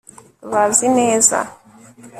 bazi neza